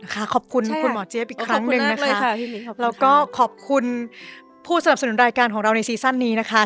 ขอบคุณคุณหมอเจี๊ยบอีกครั้งหนึ่งนะคะแล้วก็ขอบคุณผู้สนับสนุนรายการของเราในซีซั่นนี้นะคะ